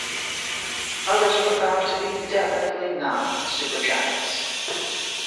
Others were found to be definitely not supergiants.